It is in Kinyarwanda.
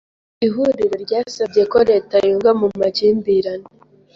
Ihuriro ryasabye ko leta yunga mu makimbirane.